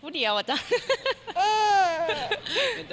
พูดเดียวอะจ้ะ